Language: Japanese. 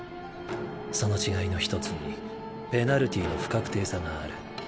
その違いの一つにペナルティーの不確定さがある。